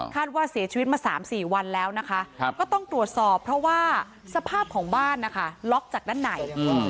ว่าเสียชีวิตมา๓๔วันแล้วนะคะก็ต้องตรวจสอบเพราะว่าสภาพของบ้านนะคะล็อกจากด้านใน